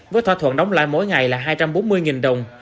với thỏa thuận đóng lại mỗi ngày là hai trăm bốn mươi đồng